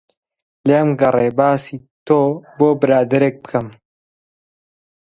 لێمگەڕێ باسی تۆ بۆ برادەرێک بکەم